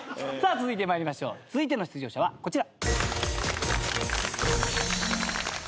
続いての出場者はこちら。